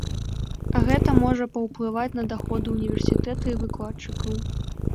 Гэта можа паўплываць на даходы ўніверсітэта і выкладчыкаў.